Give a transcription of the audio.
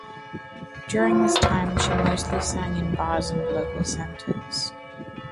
During this time she mostly sang in bars and local centres.